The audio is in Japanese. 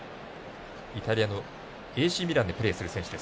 イタリアのＡＣミランでプレーする選手です。